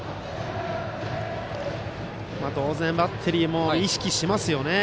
当然バッテリーも意識しますよね。